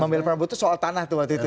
membela prabowo itu soal tanah waktu itu ya